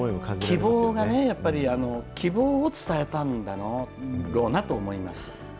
希望がね、やっぱり希望を伝えたんだろうなと思います。